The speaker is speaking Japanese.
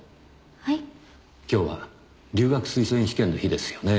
今日は留学推薦試験の日ですよね。